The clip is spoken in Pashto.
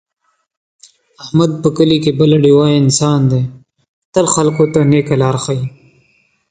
احمد په کلي کې بله ډېوه انسان دی، تل خلکو ته نېکه لاره ښي.